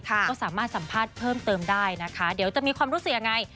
ก็สามารถสัมภาษณ์เพิ่มเติมได้นะคะเดี๋ยวจะมีความรู้สึกยังไง